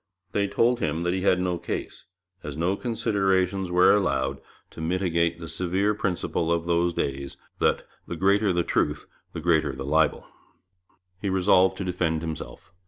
They told him that he had no case, as no considerations were allowed to mitigate the severe principle of those days, that 'the greater the truth the greater the libel.' He resolved to defend himself.